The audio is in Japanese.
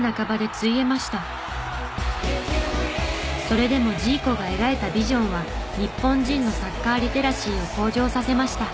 それでもジーコが描いたビジョンは日本人のサッカーリテラシーを向上させました。